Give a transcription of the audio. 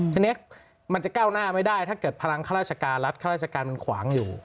ทีนี้มันจะก้าวหน้าไม่ได้ถ้าเกิดพลังข้าราชการรัฐข้าราชการมันขวางอยู่